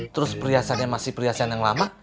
terus perhiasannya masih perhiasan yang lama